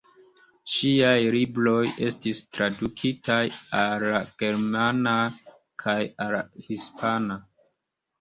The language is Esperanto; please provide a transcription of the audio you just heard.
Ŝiaj libroj estis tradukitaj al la germana kaj al la hispana.